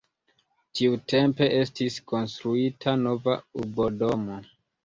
Tiutempe estis konstruita nova urbodomo.